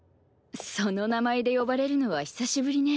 その名前で呼ばれるのは久しぶりね。